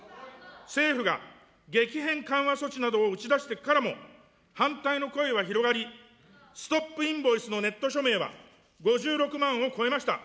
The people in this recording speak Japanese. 政府が激変緩和措置などを打ち出してからも、反対の声は広がり、ストップ・インボイスのネット署名は５６万を超えました。